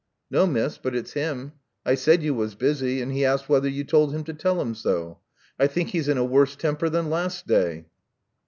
*'No, Miss; but it's him. I said you was busy; and he asked whether you told me to tell him so. I think he's in a wus temper than last day."